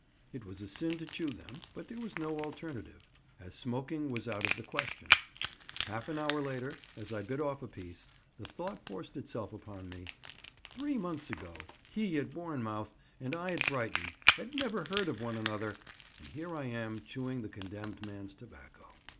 It was a sin to chew them, but there was no alternative, as smoking was out of the question. Half an hour later, as I bit off a piece, the thought forced itself upon me, "Three months ago, he at Bournemouth, and I at Brighton, had never heard of one another, and here I am chewing the condemned man's tobacco."